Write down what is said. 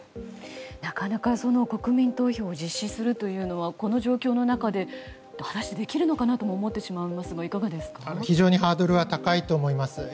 なかなか国民投票を実施するというのはこの状況の中で果たしてできるのかなと思ってしまいますが非常にハードルは高いと思います。